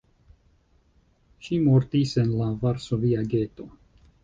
Ŝi mortis en la varsovia geto.